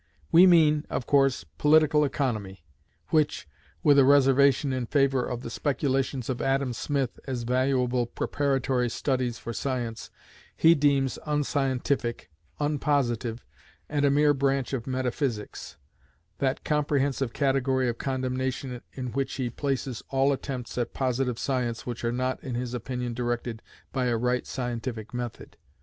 We mean, of course, political economy, which (with a reservation in favour of the speculations of Adam Smith as valuable preparatory studies for science) he deems unscientific, unpositive, and a mere branch of metaphysics, that comprehensive category of condemnation in which he places all attempts at positive science which are not in his opinion directed by a right scientific method.